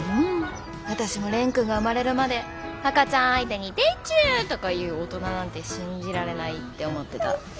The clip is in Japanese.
私も蓮くんが生まれるまで赤ちゃん相手に「でちゅ」とか言う大人なんて信じられないって思ってた。